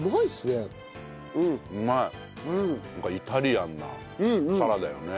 なんかイタリアンなサラダよね。